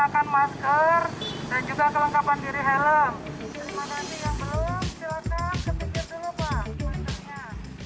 dan juga kelengkapan diri helm